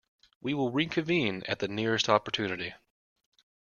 We will reconvene at the nearest opportunity.